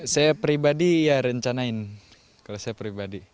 saya pribadi ya rencanain kalau saya pribadi